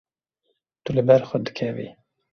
Tu li ber xwe dikevî.